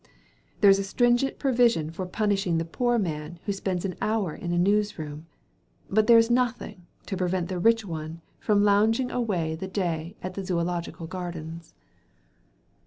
There is a stringent provision for punishing the poor man who spends an hour in a news room, but there is nothing to prevent the rich one from lounging away the day in the Zoological Gardens.